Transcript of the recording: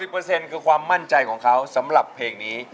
๙๐เปอร์เซ็นต์คือความมั่นใจของเขาสำหรับเพลงนี้